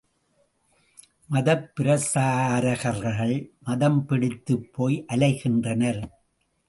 மதப்பிரசாரகர்கள், மதம்பிடித்துப் போய் அலைகின்றனர்!